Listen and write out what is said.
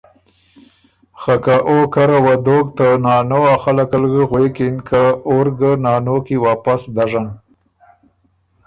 خه که او کره وه دوک ته نانو ا خلق ال غوېکِن که اور ګۀ نانو کی واپس دژن۔